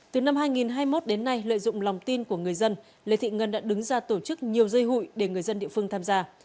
từ năm hai nghìn hai mươi một đến nay lợi dụng lòng tin của người dân lê thị ngân đã đứng ra tổ chức nhiều dây hụi để người dân địa phương tham gia